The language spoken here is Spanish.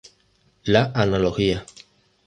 La Analogía.